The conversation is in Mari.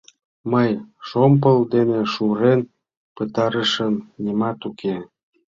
Мый шомпыл дене шурен пытарышым, нимат уке.